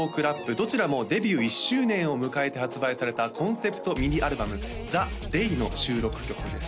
どちらもデビュー１周年を迎えて発売されたコンセプトミニアルバム「ＴｈｅＤａｙ」の収録曲です